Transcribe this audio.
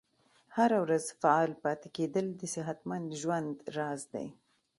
هره ورځ فعال پاتې کیدل د صحتمند ژوند راز دی.